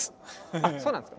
あっそうなんですか？